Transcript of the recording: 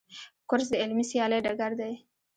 کورس د علمي سیالۍ ډګر دی.